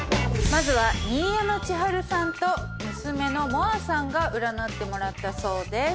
まずは新山千春さんと娘のもあさんが占ってもらったそうです。